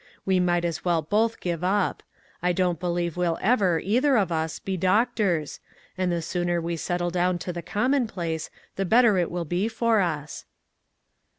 .We might as well both give up. I don't believe we'll ever, either of us, be doctors ; and the sooner we settle down to the commonplace, the better it will be for us."